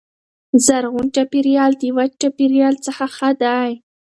زرغون چاپیریال د وچ چاپیریال څخه ښه دی.